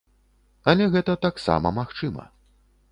Але гэта таксама магчыма.